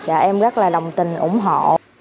em rất là đồng tình ủng hộ